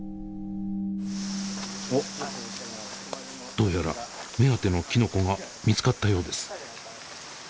どうやら目当てのきのこが見つかったようです。